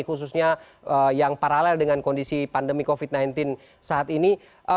khususnya yang paralel dengan kondisi pandemi covid sembilan belas saat ini